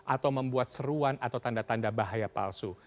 atau membuat seruan atau tanda tanda bahaya palsu